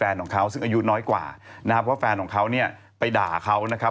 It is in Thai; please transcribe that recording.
ของเขาซึ่งอายุน้อยกว่านะครับเพราะแฟนของเขาเนี่ยไปด่าเขานะครับ